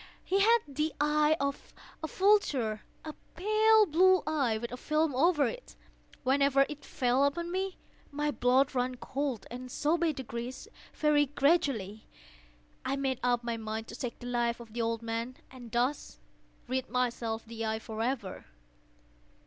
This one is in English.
He had the eye of a vulture—a pale blue eye, with a film over it. Whenever it fell upon me, my blood ran cold; and so by degrees—very gradually—I made up my mind to take the life of the old man, and thus rid myself of the eye forever.